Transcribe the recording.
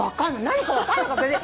何か分かんなかった。